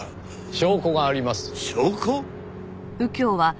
証拠？